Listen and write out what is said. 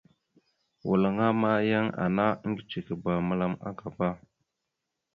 Walŋa ma, yan ana iŋgəcekaba məla agaba.